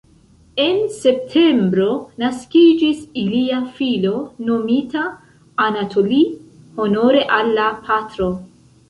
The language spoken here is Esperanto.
En septembro naskiĝis ilia filo nomita Anatolij, honore al la patro.